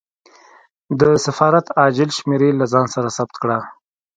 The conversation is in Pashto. د سفارت عاجل شمېرې له ځان سره ثبت کړه.